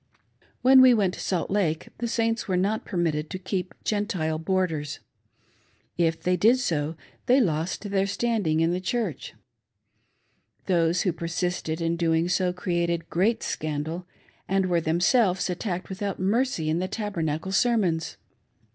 THE prophet's DRY GOODS STORE ! 505 When we went to Salt Lake, the Saints were not permitted to keep Gentile boarders. If they did so they lost their stand ing in the Church. Those who persisted in doing so created great scandal, and were themselves attacked without mercy in the Tabernacle sermons.